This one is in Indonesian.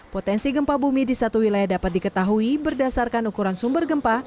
potensi gempa bumi di satu wilayah dapat diketahui berdasarkan ukuran sumber gempa